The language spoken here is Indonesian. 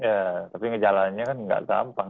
ya tapi ngejalaninnya kan gak gampang